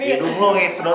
udah perepin dia